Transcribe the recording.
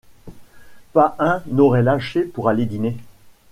Pas un n’aurait lâché pour aller dîner.